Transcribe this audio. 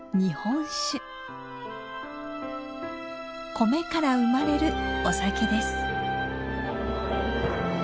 米から生まれるお酒です。